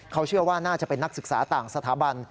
เขาเชื่อว่าน่าจะเป็นนักศึกษาต่างสถาบัน